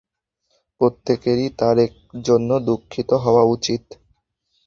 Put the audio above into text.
প্রত্যেকেরই তার জন্য দুঃখিত হওয়া উচিত।